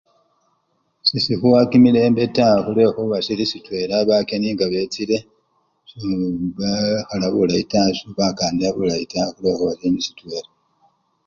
Sesikhuwa kimilembe taa khulwekhuba sili sitwela bakeni nga bechile ebekhala bulayi taa, sobakanila bulayitaa kakila sili silala.